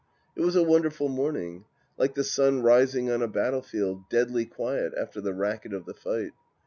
It was a wonderful morning. Like the sun rising on a battlefield, deadly quiet after the racket of the fight.